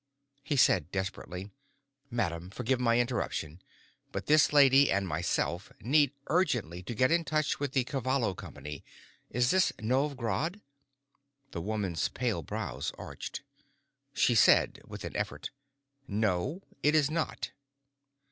He said desperately, "Madam, forgive my interruption, but this lady and myself need urgently to get in touch with the Cavallo company. Is this Novj Grad?" The woman's pale brows arched. She said, with an effort, "No, it is not."